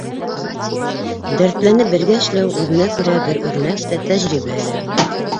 Дәртләнеп бергә эшләү — үҙенә күрә бер үрнәк тә, тәжрибә лә.